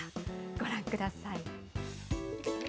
ご覧ください。